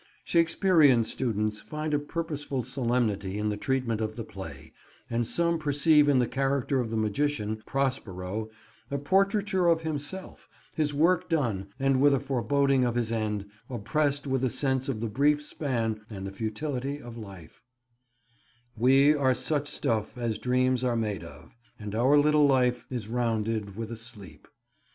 Shakespearean students find a purposeful solemnity in the treatment of the play, and some perceive in the character of the magician, Prospero, a portraiture of himself, his work done, and with a foreboding of his end, oppressed with a sense of the brief span and the futility of life— "We are such stuff As dreams are made of, and our little life Is rounded with a sleep."